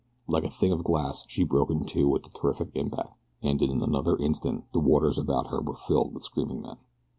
Like a thing of glass she broke in two with the terrific impact, and in another instant the waters about her were filled with screaming men.